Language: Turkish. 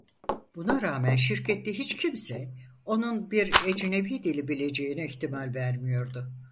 Buna rağmen şirkette hiç kimse onun bir ecnebi dili bileceğine ihtimal vermiyordu.